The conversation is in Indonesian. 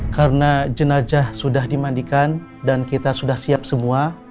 karena jenajah sudah dimandikan dan kita sudah siap semua